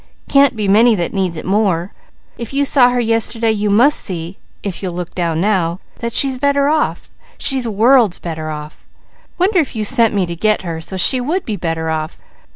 Can't be many that needs it more. If You saw her yesterday, You must see if You'll look down now, that she's better off, she's worlds better off. Wonder if You sent me to get her, so she would be better off.